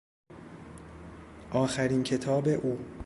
آخرین کتاب او